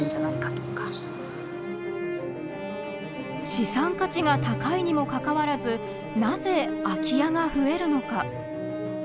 資産価値が高いにもかかわらずなぜ空き家が増えるのか。